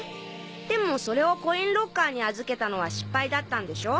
でもそれをコインロッカーに預けたのは失敗だったんでしょ？